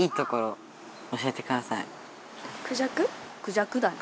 クジャクだね。